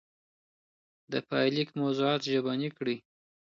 د پايليک موضوعات ژبني کړئ.